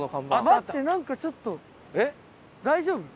待ってなんかちょっと大丈夫？